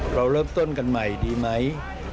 เราเริ่มต้นกันใหม่ดีไหม